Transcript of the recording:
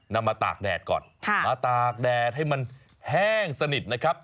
มาตากแดดก่อนมาตากแดดให้มันแห้งสนิทนะครับ